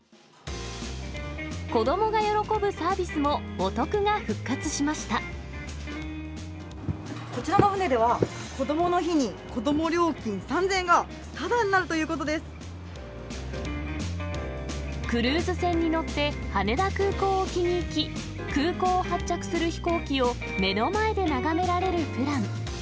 子どもが喜ぶサービスもお得が復こちらの船では、こどもの日に子ども料金３０００円が、クルーズ船に乗って、羽田空港沖に行き、空港を発着する飛行機を目の前で眺められるプラン。